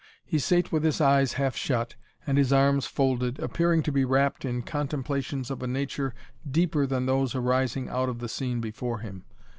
He sate with his eyes half shut, and his arms folded, appearing to be wrapped in contemplations of a nature deeper than those arising out of the scene before him.